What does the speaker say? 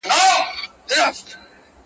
• چي زاغان مي خوري ګلشن او غوټۍ ورو ورو,